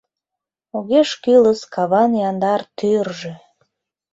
Огеш кӱлыс каван яндар тӱржӧ!